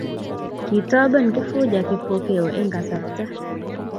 Kitoben Kifuja Kipokeo eng kasarta